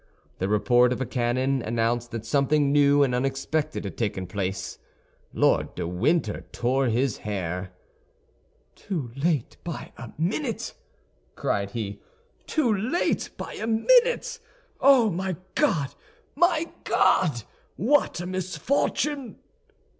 The report of a cannon announced that something new and unexpected had taken place. Lord de Winter tore his hair. "Too late by a minute!" cried he, "too late by a minute! Oh, my God, my God! what a misfortune!"